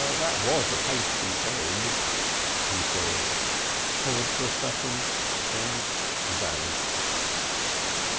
"That was a tasty egg," he said, hovered for a second and vanished.